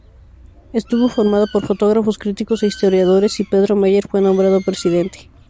Estuvo formado por fotógrafos, críticos e historiadores, y Pedro Meyer fue nombrado presidente.